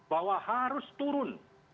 bahwa harus turun